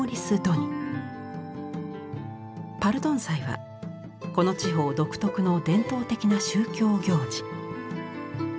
パルドン祭はこの地方独特の伝統的な宗教行事。